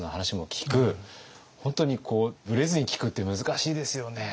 本当にブレずに聞くって難しいですよね。